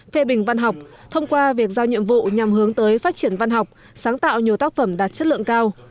phê bình văn học thông qua việc giao nhiệm vụ nhằm hướng tới phát triển văn học sáng tạo nhiều tác phẩm đạt chất lượng cao